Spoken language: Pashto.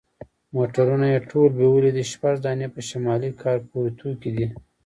موټرونه یې ټول بیولي دي، شپږ دانې په شمالي کارپوریتو کې دي.